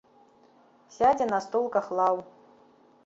Сядзе на столках лаў.